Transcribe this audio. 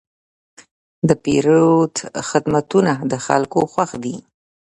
د پیرود خدمتونه د خلکو خوښ دي.